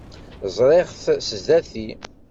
Zṛiɣ-t sdat-i.